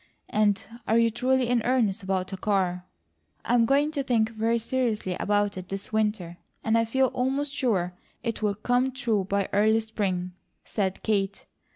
And are you truly in earnest about a car?" "I'm going to think very seriously about it this winter, and I feel almost sure it will come true by early spring," said Kate.